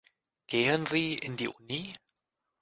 Gehen Sie in die Uni?